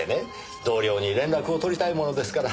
同僚に連絡を取りたいものですから。